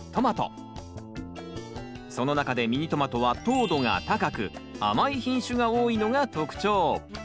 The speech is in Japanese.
その中でミニトマトは糖度が高く甘い品種が多いのが特徴。